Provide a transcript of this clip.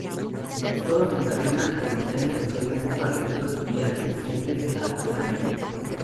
Soros en cadenas o lineales, usualmente paralelos y adyacentes a la vena media.